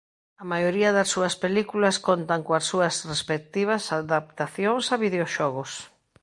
A maioría das súas películas contan coas súas respectivas adaptacións a videoxogos.